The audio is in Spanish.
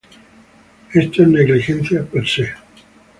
Esto es negligencia "per se".